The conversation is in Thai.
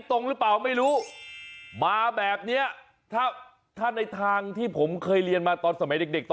ตรงหรือเปล่าไม่รู้มาแบบเนี้ยถ้าถ้าในทางที่ผมเคยเรียนมาตอนสมัยเด็กเด็กตอน